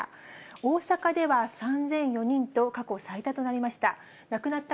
大阪では３００４人と過去最多となりました。